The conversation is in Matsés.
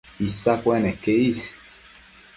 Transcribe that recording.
Isa cueneque is